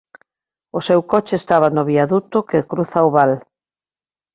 O seu coche estaba no viaduto que cruza o val.